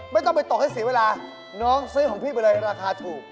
ไม่ต้องไปตกให้เสียเวลาน้องซื้อของพี่ไปเลยราคาถูก